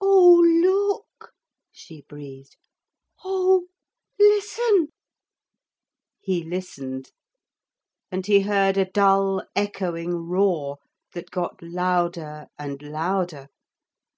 'Oh, look,' she breathed, 'oh, listen!' He listened. And he heard a dull echoing roar that got louder and louder.